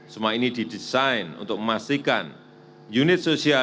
semua ini didesain untuk memastikan unit sosial